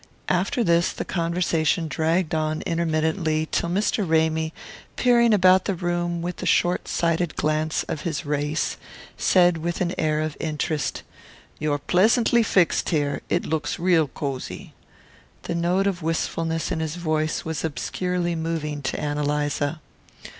After this the conversation dragged on intermittently till Mr. Ramy, peering about the room with the short sighted glance of his race, said with an air of interest: "You're pleasantly fixed here; it looks real cosy." The note of wistfulness in his voice was obscurely moving to Ann Eliza.